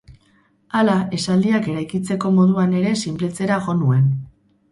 Hala, esaldiak eraikitzeko moduan ere sinpletzera jo nuen.